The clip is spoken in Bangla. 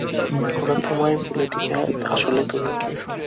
ওরা তোমায় বলে দিবে আসলে তুমি কে।